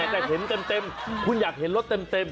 แต่เห็นเต็มคุณอยากเห็นรถเต็ม